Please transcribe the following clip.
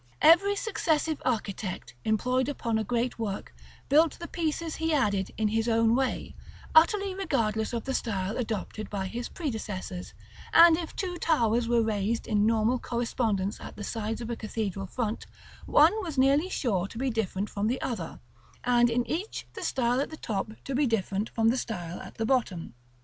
Every successive architect, employed upon a great work, built the pieces he added in his own way, utterly regardless of the style adopted by his predecessors; and if two towers were raised in nominal correspondence at the sides of a cathedral front, one was nearly sure to be different from the other, and in each the style at the top to be different from the style at the bottom.